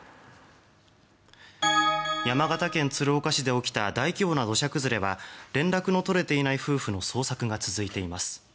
山形県鶴岡市で起きた大規模な土砂崩れは連絡の取れていない夫婦の捜索が続いています。